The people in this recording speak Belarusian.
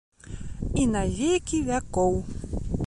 І на векі вякоў.